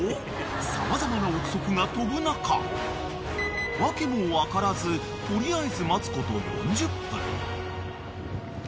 ［様々な臆測が飛ぶ中訳も分からず取りあえず待つこと４０分］